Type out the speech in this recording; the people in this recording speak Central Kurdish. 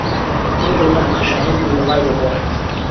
من دڵنیام کە شاھین بیروڕای دەگۆڕێت.